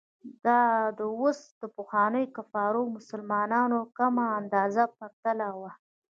دا د اوس او پخوانیو کفارو او مسلمانانو کمه اندازه پرتلنه وه.